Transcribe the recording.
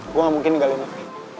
gua ga mungkin tinggal di rumah